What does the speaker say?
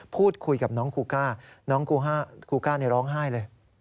พูดคุยกับน้องครูก้าน้องครูก้าร้องไห้เลย